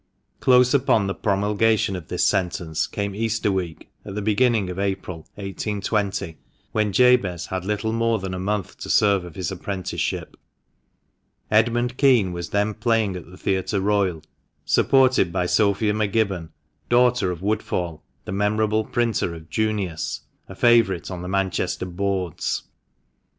Close upon the promulgation of this sentence came Easter week, at the beginning of April, 1820, when Jabez had little more than a month to serve of his apprenticeship. Edmund Kean was then playing at the Theatre Royal, supported by Sophia M'Gibbon — daughter of Woodfall, the memorable printer of "Junius" — a favourite on the Manchester "boards."